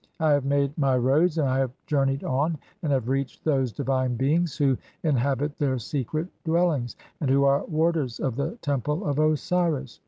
I have made "my roads and I have (41) journeyed on and have reached those "divine beings who inhabit their secret dwellings, and who are "warders of the Temple of Osiris.